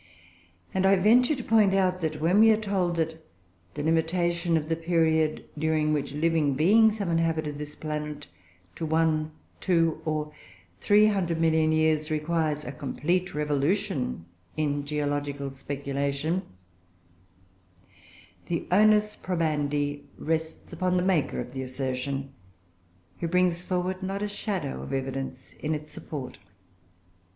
And I venture to point out that, when we are told that the limitation of the period during which living beings have inhabited this planet to one, two, or three hundred million years requires a complete revolution in geological speculation, the onus probandi rests on the maker of the assertion, who brings forward not a shadow of evidence in its support.